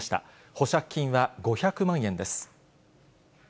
保釈金は５００万円です。